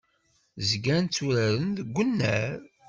Zgan tturaren deg unnar.